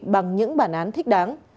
bằng những bản án thích đáng